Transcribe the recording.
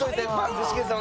具志堅さん